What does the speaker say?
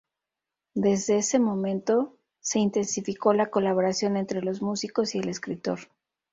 Desde ese momento, se intensificó la colaboración entre los músicos y el escritor.